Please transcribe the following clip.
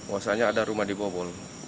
masanya ada rumah dibobol